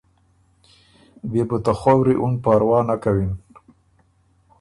بيې بو ته خؤری اُن پاروا نک کَوِن۔